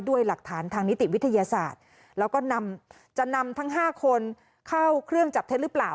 ด้วยหลักฐานทางนิติวิทยาศาสตร์แล้วก็นำจะนำทั้ง๕คนเข้าเครื่องจับเท็จหรือเปล่า